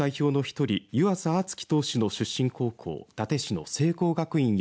日本代表の１人湯浅京己投手の出身高校伊達市の聖光